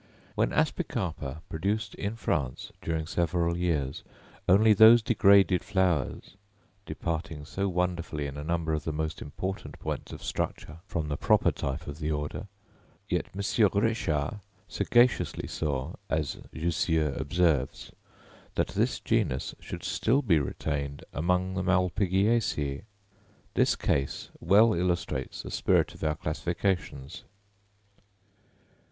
When Aspicarpa produced in France, during several years, only these degraded flowers, departing so wonderfully in a number of the most important points of structure from the proper type of the order, yet M. Richard sagaciously saw, as Jussieu observes, that this genus should still be retained among the Malpighiaceæ. This case well illustrates the spirit of our classifications.